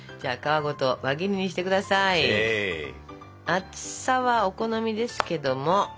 厚さはお好みですけども。